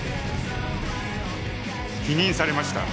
否認されました。